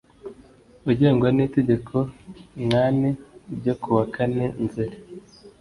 ugengwa n Itegeko N kane ryo kuwa kane nzeri